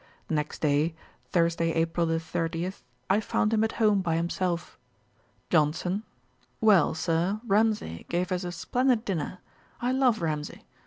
Next day, Thursday, April 30, I found him at home by himself. JOHNSON. 'Well, Sir, Ramsay gave us a splendid dinner. I love Ramsay.